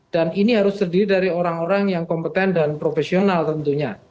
dan ini harus terdiri dari orang orang yang kompeten dan profesional tentunya